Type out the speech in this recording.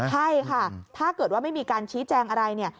ใช่ค่ะถ้าเกิดว่าไม่มีการชี้แจงอะไรเนี่ย